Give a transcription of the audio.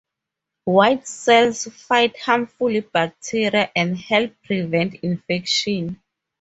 White cells fight harmful bacteria and help prevent infection.